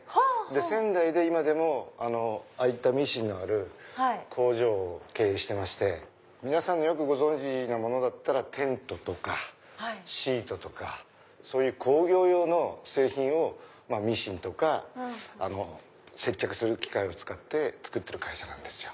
仙台で今でもああいったミシンのある工場を経営してまして皆さんがご存じのものだったらテントとかシートとかそういう工業用の製品をミシンとか接着する機械を使って作ってる会社なんですよ。